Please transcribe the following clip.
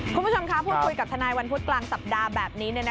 คุณผู้ชมคะพูดคุยกับทนายวันพุธกลางสัปดาห์แบบนี้